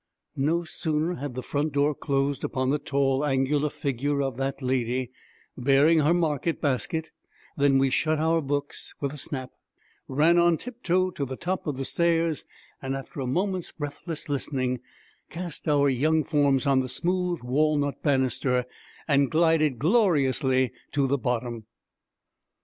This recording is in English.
No sooner had the front door closed upon the tall, angular figure of that lady, bearing her market basket, than we shut our books with a snap, ran on tiptoe to the top of the stairs, and, after a moment's breathless listening, cast our young forms on the smooth walnut banister, and glided gloriously to the bottom.